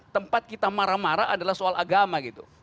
tempat kita marah marah adalah soal agama gitu